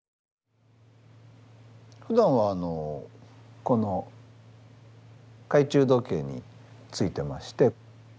ふだんはこの懐中時計に付いてまして。